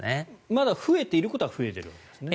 まだ増えていることは増えているんですね。